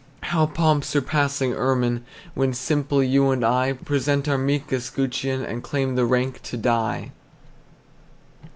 How pomp surpassing ermine, When simple you and I Present our meek escutcheon, And claim the rank to die!